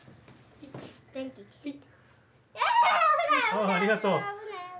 あっありがとう。